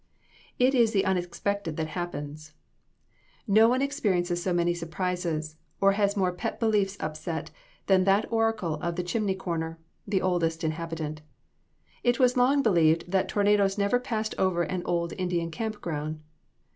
It is the unexpected that happens. No one experiences so many surprises, or has more pet beliefs upset than that oracle of the chimney corner, the oldest inhabitant. It was long believed that tornadoes never passed over an old Indian camp ground.